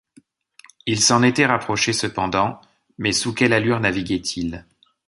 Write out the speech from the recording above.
Il s’en était rapproché, cependant, mais sous quelle allure naviguait-il